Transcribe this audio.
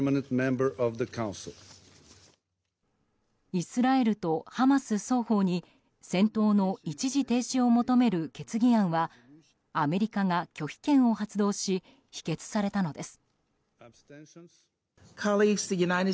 イスラエルとハマス双方に戦闘の一時停止を求める決議案はアメリカが拒否権を発動し否決されたのです。